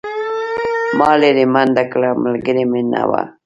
ما لیرې منډه کړه ملګری مې نه و.